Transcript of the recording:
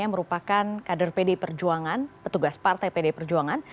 yang merupakan kader pdi perjuangan petugas partai pd perjuangan